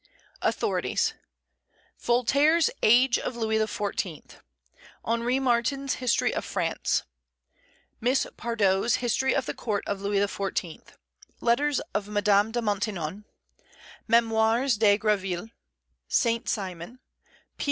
AUTHORITIES. Voltaire's Age of Louis XIV.; Henri Martin's History of France; Miss Pardoe's History of the Court of Louis XIV.; Letters of Madame de Maintenon; Mémoires de Greville; Saint Simon; P.